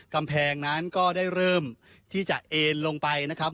กำแพงนั้นก็ได้เริ่มที่จะเอ็นลงไปนะครับ